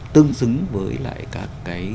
tương xứng với lại các cái